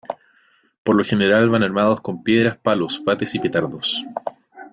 Por lo general van armados con piedras, palos, bates y petardos.